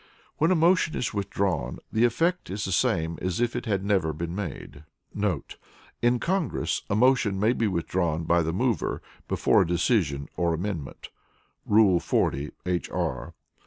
When a motion is withdrawn, the effect is the same as if it had never been made.* [In Congress, a motion may be withdrawn by the mover, before a decision or amendment [Rule 40, H. R.